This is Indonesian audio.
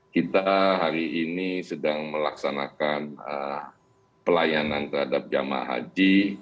kita hari ini sedang melaksanakan pelayanan terhadap jamaah haji